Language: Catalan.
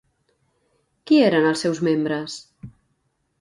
Qui eren els seus membres?